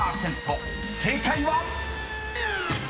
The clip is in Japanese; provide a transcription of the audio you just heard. ［正解は⁉］